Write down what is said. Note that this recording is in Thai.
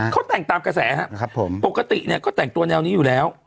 เขาแต่งตามกระแสครับผมปกติเนี่ยก็แต่งตัวแนวนี้อยู่แล้ว